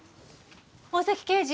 大崎刑事